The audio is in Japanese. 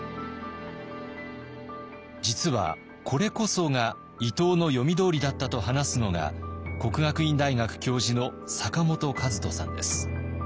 実はこれこそが伊藤の読み通りだったと話すのが國學院大學教授の坂本一登さんです。